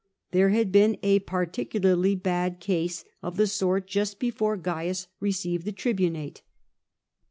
There had been a particularly bad case of the sort just before Cains received the tribunate.